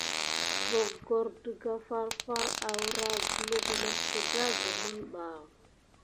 Boggor daka farfari arua kulukeb mis teɗa kumine ɓa.